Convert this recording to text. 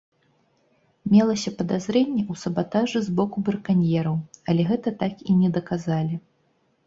Мелася падазрэнне ў сабатажы з боку браканьераў, але гэта так і не даказалі.